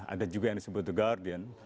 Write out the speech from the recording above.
ada juga yang disebut the guardian